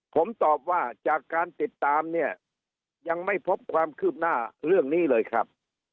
ผมตอบว่าจากการติดตามเนี่ยยังไม่พบความคืบหน้าเรื่องนี้เลยครับ